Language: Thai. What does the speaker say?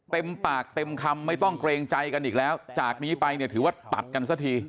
เต็มปากเต็มคำไม่ต้องเกรงใจกันอีกแล้วจากนี้ไปเนี่ยถือว่าตัดกันซะที